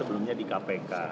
bapak sebelumnya di kpk